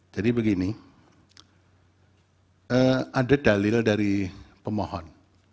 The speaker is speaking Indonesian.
jadi begini ada dalil dari pemohon